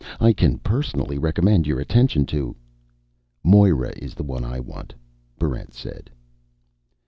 I can personally recommend your attention to " "Moera is the one I want," Barrent said.